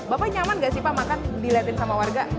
bapak nyaman gak sih pak makan dilihatin sama warga